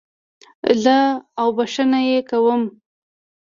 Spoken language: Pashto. زه اوښبهني کوم.